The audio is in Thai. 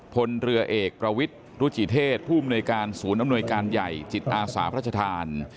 พลเรือเอกประวิทย์รุจิเทศผู้อำนวยการศูนย์อำนวยการใหญ่จิตอาสาพระชธาน